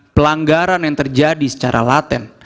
pelanggaran yang terjadi secara laten